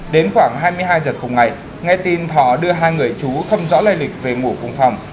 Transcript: đến khoảng hai mươi hai giờ cùng ngày nghe tin thọ đưa hai người chú không rõ lây lịch về ngủ cùng phòng